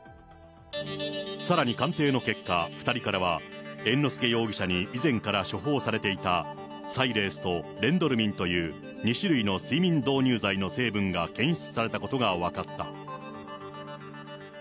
さらに鑑定の結果、２人からは、猿之助容疑者に以前から処方されていた、サイレースとレンドルミンという２種類の睡眠導入剤の成分が検出されたことが分かった。